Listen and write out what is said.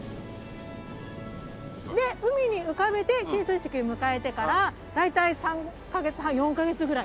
で海に浮かべて進水式迎えてから大体３カ月半４カ月ぐらい。